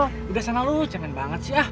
sudah sana lu cemen banget sih ah